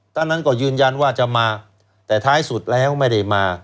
ท่านนั้นก็ยืนยันว่าจะมาแต่ท้ายสุดแล้วไม่ได้มา